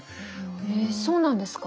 えそうなんですか！？